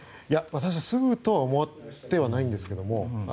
私はそうとは思ってはないんですけれども。